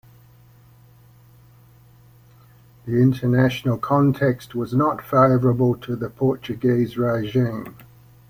The international context was not favourable to the Portuguese regime.